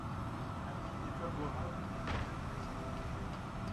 Avis défavorable pour les mêmes raisons.